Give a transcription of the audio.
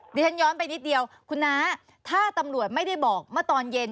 ดิฉันย้อนไปนิดเดียวคุณน้าถ้าตำรวจไม่ได้บอกเมื่อตอนเย็น